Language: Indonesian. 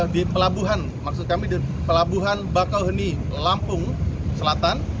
di pelabuhan bakauheni lampung selatan